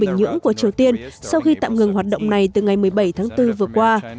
bình nhưỡng của triều tiên sau khi tạm ngừng hoạt động này từ ngày một mươi bảy tháng bốn vừa qua